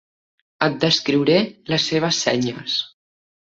Et descriuré les seves senyes.